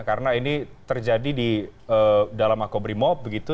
karena ini terjadi di dalam makobrimob begitu